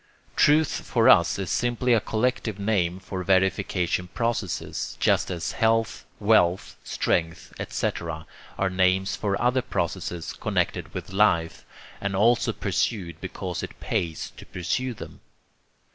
Truth for us is simply a collective name for verification processes, just as health, wealth, strength, etc., are names for other processes connected with life, and also pursued because it pays to pursue them.